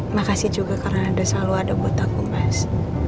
makasih juga karena ada selalu ada buat aku mas